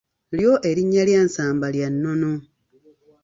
Lyo erinnya lya Nsamba lya nnono.